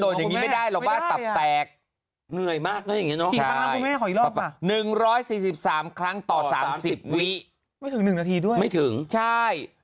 จริงเนี่ยออกมา๑๔๓ครั้งต่อ๓๐วิไม่ถึงหนึ่งนาทีด้วยไม่ถึงใช่